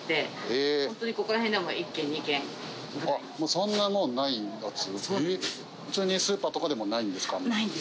そんなもうないやつ。